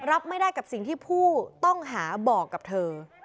รับไม่ได้กับสิ่งที่ผู้ต้องหาบอกกับเธอ